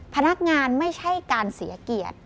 พนักงานไม่ใช่การเสียเกียรติ